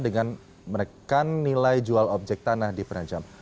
dengan menekan nilai jual objek tanah di penajam